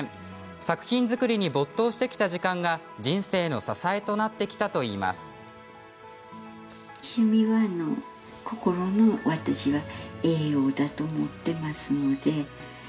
作品作りに没頭してきた時間が人生の支えとなったといいます。